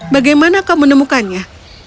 bagaimana kau menemukannya